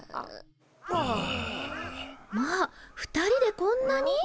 まあ２人でこんなに？